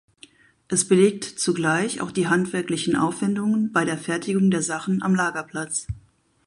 Es belegt zugleich auch die handwerklichen Aufwendungen bei der Fertigung der Sachen am Lagerplatz.